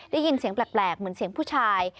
ได้ยินเสียงแปลกเหมือนเสียงผู้ชาย